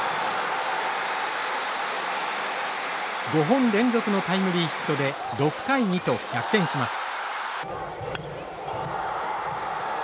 ５本連続のタイムリーヒットで６対２と逆転します。